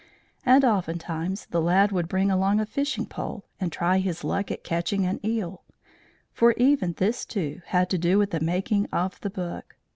And oftentimes the lad would bring along a fishing pole and try his luck at catching an eel; for even this, too, had to do with the making of the book.